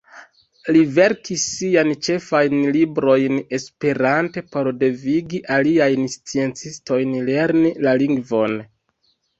Li verkis sian ĉefajn librojn esperante por devigi aliajn sciencistojn lerni la lingvon.